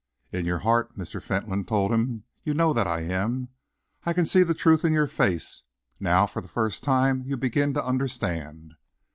"In your heart," Mr. Fentolin told him, "you know that I am. I can see the truth in your face. Now, for the first time, you begin to understand."